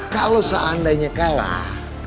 kalau seandainya kalah